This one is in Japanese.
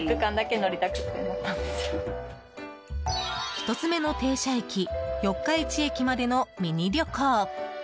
１つ目の停車駅四日市駅までのミニ旅行。